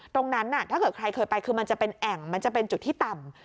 ถ้าเกิดใครเคยไปคือมันจะเป็นแอ่งมันจะเป็นจุดที่ต่ำ